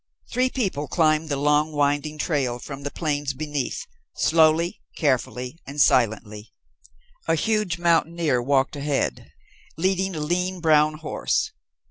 Three people climbed the long winding trail from the plains beneath, slowly, carefully, and silently. A huge mountaineer walked ahead, leading a lean brown horse.